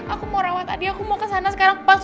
aku mau rawat adi aku mau kesana sekarang pas